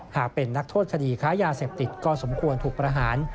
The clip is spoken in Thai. หากเป็นนักโทษคดีค้ายาเสพติดก็สมควรถูกประหาร